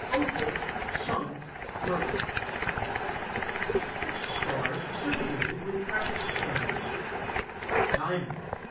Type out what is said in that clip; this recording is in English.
Opal Sun, Mercury. Fixed stars associated with precious stones: Diamond.